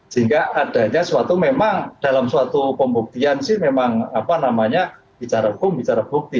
sehingga adanya suatu memang dalam suatu pembuktian sih memang apa namanya bicara hukum bicara bukti